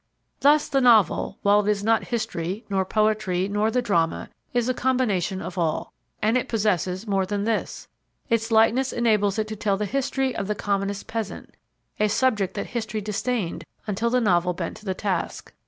Thus the Novel, while it is not History nor Poetry nor the Drama, is a combination of all. And it possesses more than this. Its lightness enables it to tell the history of the commonest peasant a subject that History disdained until the Novel bent to the task.